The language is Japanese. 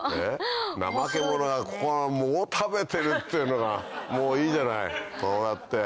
ナマケモノがここの藻を食べてるってのがもういいじゃないこうやって。